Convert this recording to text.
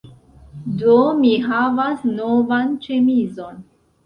Do, mi havas novan ĉemizon